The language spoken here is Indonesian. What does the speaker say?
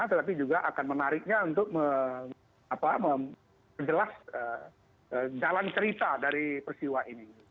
tetapi juga akan menariknya untuk memperjelas jalan cerita dari peristiwa ini